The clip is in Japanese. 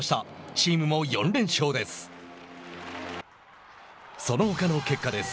チームも４連勝です。